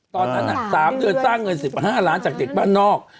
ตอนนั้น๓เดือนสร้างเงิน๑๕ล้านจากเด็กบ้านนอก